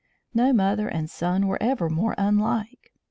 No mother and son were ever more unlike.